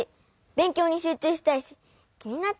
べんきょうにしゅうちゅうしたいしきになっちゃうもん。